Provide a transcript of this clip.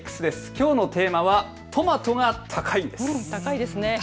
きょうのテーマはトマトが高いです。